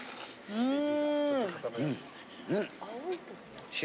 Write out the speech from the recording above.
うん！